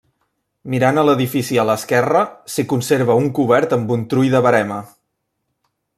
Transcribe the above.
Mirant a l'edifici a l'esquerra, s'hi conserva un cobert amb un trull de verema.